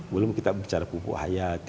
belum kita bicara pupuk hayat